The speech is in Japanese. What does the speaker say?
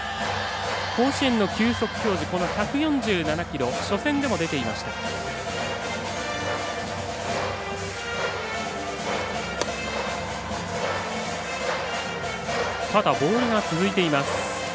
甲子園の球速表示初戦でも出ていました。